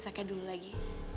kan lo sahabatnya keke